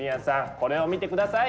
これを見てください！